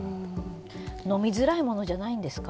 飲みづらいものじゃないんですか？